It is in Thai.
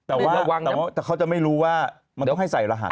แต่ว่าเขาจะไม่รู้ว่ามันต้องให้ใส่รหัส